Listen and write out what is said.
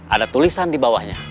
ada tulisan di bawahnya